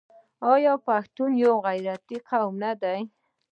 آیا پښتون یو غیرتي قوم نه دی؟